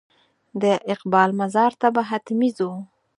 د اقبال مزار ته به حتمي ځو.